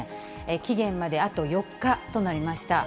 期限まであと４日となりました。